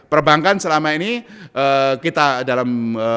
perbankan selama ini kita dalam